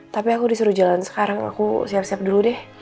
tapi aku disuruh jalan sekarang aku siap siap dulu deh